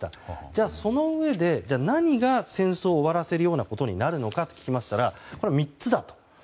じゃあ、そのうえで何が戦争を終わらせるようになるのかと聞きましたら３つだと。